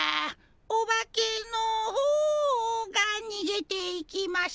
「お化けの方がにげていきました」